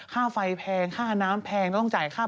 ค่าไฟแพงค่าน้ำแพงก็ต้องจ่ายค่าประกัน